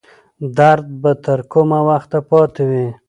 درد به تر کومه وخته پاتې وي؟